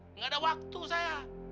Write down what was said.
tidak ada waktu saya